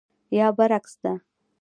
یا برعکس ده.